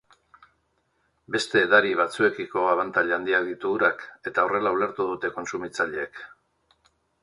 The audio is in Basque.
Beste edari batzuekiko abantaila handiak ditu urak eta horrela ulertu dute kontsumitzaileek.